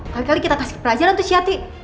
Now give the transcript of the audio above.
kali kali kita kasih pelajaran tuh si yati